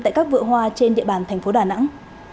tại các vựa hoa trên địa bàn thành phố đà nẵng